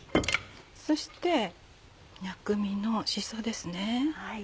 そして薬味のしそですね。